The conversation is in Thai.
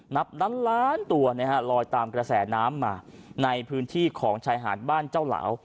นับล้านล้านตัวนะฮะลอยตามกระแสน้ำมาในพื้นที่ของชายหาดบ้านเจ้าเหลา